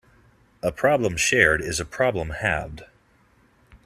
A problem shared is a problem halved.